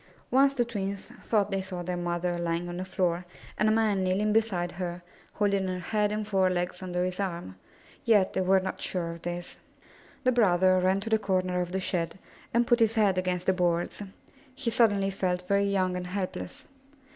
Once the twins thought they saw their mother lying on the floor and a man kneeling beside her, holding 262 IN THE NURSERY her head and forelegs under his arm; yet they were not sure of this. The brother ran to the corner of the shed and put his head against the boards. He suddenly felt very young and helpless.